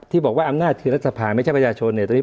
ที่บอกว่าอำนาจคือรัฐสภาพไม่ใช่ประชาชน